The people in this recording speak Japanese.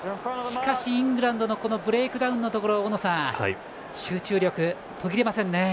しかし、イングランドのブレイクダウンのところ大野さん集中力が途切れませんね。